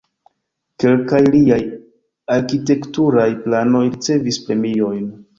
Kelkaj liaj arkitekturaj planoj ricevis premiojn.